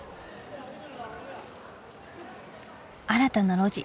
新たな路地